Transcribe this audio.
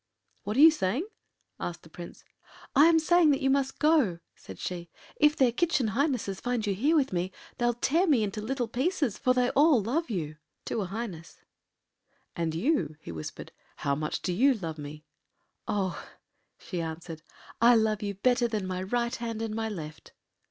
” “What are you saying?” asked the Prince. “I am saying that you must go,” said she. “If their Kitchen Highnesses find you here with me they’ll tear me into little pieces, for they all love you—to a Highness.” “And you,” he whispered, “how much do you love me?” “Oh,” she answered, “I love you better than my right hand and my left.